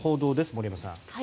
森山さん。